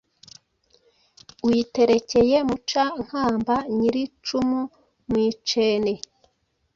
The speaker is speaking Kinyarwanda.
Uyiterekeye Muca-nkamba Nyiri icumu mu Icene.